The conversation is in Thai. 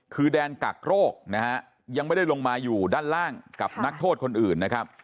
คือแดนกักโรคนะฮะยังไม่ได้ลงมาอยู่ด้านล่างกับนักโทษคนอื่นนะครับ